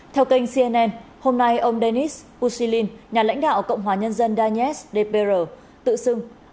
theo kênh cnn hôm nay ông denis pushilin nhà lãnh đạo cộng hòa nhân dân dpr tự xưng